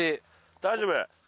大丈夫。